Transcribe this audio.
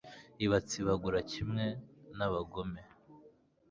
ibatsibagura kimwe n'abagome